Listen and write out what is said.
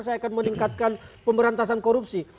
saya akan meningkatkan pemberantasan korupsi